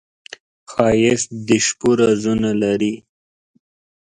ښایست د شپو رازونه لري